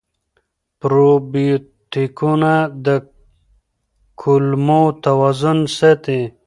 پروبیوتیکونه د کولمو توازن ساتي.